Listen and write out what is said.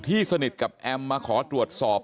สนิทกับแอมมาขอตรวจสอบ